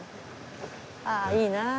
ああいいなあ。